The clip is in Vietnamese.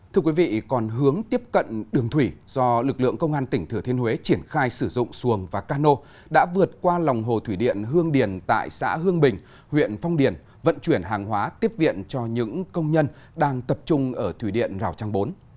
thưa quý vị còn hướng tiếp cận đường thủy do lực lượng công an tỉnh thừa thiên huế triển khai sử dụng xuồng và cano đã vượt qua lòng hồ thủy điện hương điền tại xã hương bình huyện phong điền vận chuyển hàng hóa tiếp viện cho những công nhân đang tập trung ở thủy điện rào trang bốn